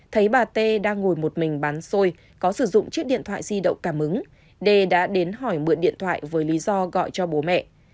thấy bà tê đang ngồi một mình bán xôi có sử dụng chiếc điện thoại di động cảm ứng dê đã đến hỏi mượn điện thoại với lý do gọi cho bố mẹ